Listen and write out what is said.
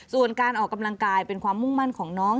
ส่วนการออกกำลังกายเป็นความมุ่งมั่นของน้อง